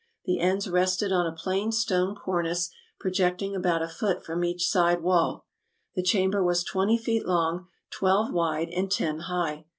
The ends rested on a plain stone cornice, projecting about a foot from each side wall. The chamber was twenty feet long, twelve wide, and ten high.